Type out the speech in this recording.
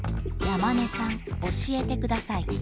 山根さん教えてください。